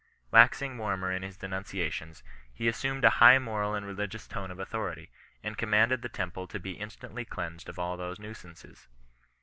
Waxing warmer in his denunciations, he assumed a high moral and religious tone of authority, and commanded the temple to be in stantly cleansed of all those nuisances.